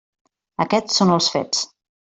Aquests són els fets.